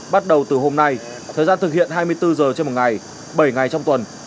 bắt đầu từ hôm nay thời gian thực hiện hai mươi bốn h trên một ngày bảy ngày trong tuần